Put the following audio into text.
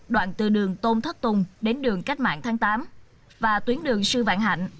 đoạn từ đường tôn thất tùng đến đường cách mạng tháng tám và tuyến đường sư vạn hạnh